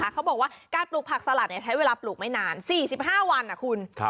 เขาบอกว่าการปลูกผักสลัดใช้เวลาปลูกไม่นาน๔๕วันนะคุณ